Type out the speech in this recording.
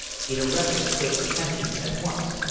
It arrested Clif's attention at once.